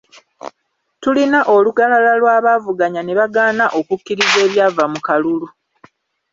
Tulina olukalala lw’abaavuganya ne bagaana okukkiriza ebyava mu kalulu